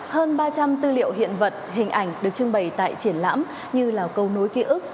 hơn ba trăm linh tư liệu hiện vật hình ảnh được trưng bày tại triển lãm như là câu nối ký ức